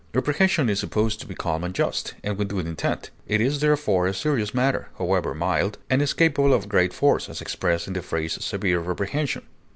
Reprehension is supposed to be calm and just, and with good intent; it is therefore a serious matter, however mild, and is capable of great force, as expressed in the phrase severe reprehension.